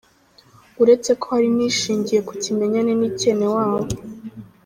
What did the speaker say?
Uretse ko hari n’ishingiye ku kimenyane n’icyenewabo.